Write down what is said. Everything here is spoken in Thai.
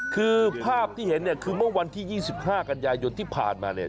คือภาพที่เห็นเนี่ยคือเมื่อวันที่๒๕กันยายนที่ผ่านมาเนี่ย